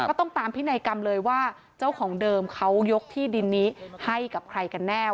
ก็ต้องตามพินัยกรรมเลยว่าเจ้าของเดิมเขายกที่ดินนี้ให้กับใครกันแน่